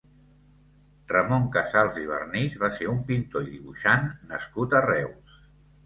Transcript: Ramon Casals i Vernis va ser un pintor i dibuixant nascut a Reus.